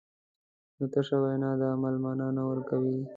نو تشه وینا د عمل مانا نه ورکوي.